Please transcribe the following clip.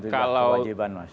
kalau di laksanakan mas